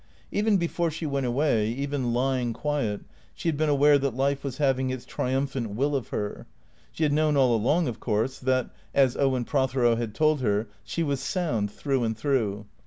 Even before she went away, even lying quiet, she had been aware that life was having its triumphant will of her. She had known all along, of course, that (as Owen Prothero had told her) she was sound through and through.